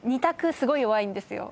すごい弱いんですよ。